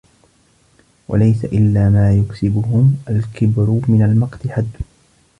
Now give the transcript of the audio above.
وَلَيْسَ إلَى مَا يُكْسِبُهُ الْكِبْرُ مِنْ الْمَقْتِ حَدٌّ